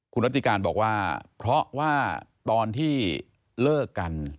คุณรัติการบอกว่าเพราะว่าตอนที่เลิกกัน